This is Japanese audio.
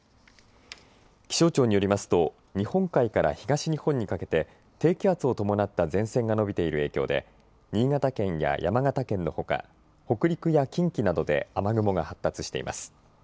気象庁によりますと日本海から東日本にかけて低気圧を伴った前線が延びている影響で新潟県や山形県のほか北陸や近畿などで雨雲が発達しています。